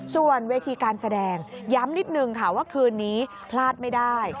ส่วนเวทีการแสดงย้ำนิดนึงค่ะว่าคืนนี้พลาดไม่ได้